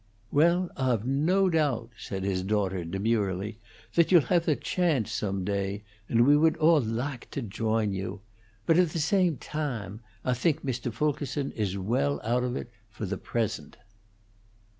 "Well, Ah've no doabt," said his daughter, demurely, "that you'll have the chance some day; and we would all lahke to join you. But at the same tahme, Ah think Mr. Fulkerson is well oat of it fo' the present."